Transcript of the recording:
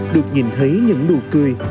được nhìn thấy những nụ cười